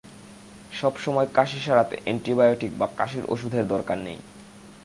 সব সময় কাশি সারাতে অ্যান্টিবায়োটিক বা কাশির ওষুধের দরকার নেই।